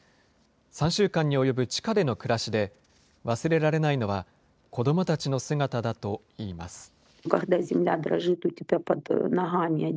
３週間に及ぶ地下での暮らしで、忘れられないのは、子どもたちの姿だといいます。